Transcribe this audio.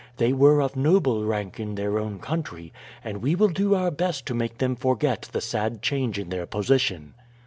They were of noble rank in their own country, and we will do our best to make them forget the sad change in their position."